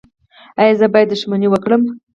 ایا زه باید دښمني وکړم؟